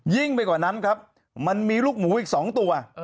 ยิ่งไปกว่านั้นครับมันมีลูกหมูอีก๒ตัว